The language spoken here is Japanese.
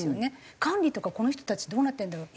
管理とかこの人たちどうなってるんだろう？